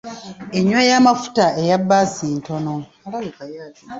Enywa y'amafuta eya bbaasi ntono.